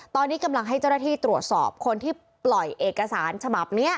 ตอนนี้กำลังให้เจ้าหน้าที่ตรวจสอบคนที่ปล่อยเอกสารฉบับนี้